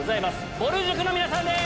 ぼる塾の皆さんです。